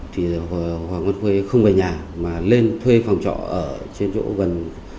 thì hoàng văn khuê không về nhà mà lên thuê phòng trọ ở trên chỗ gần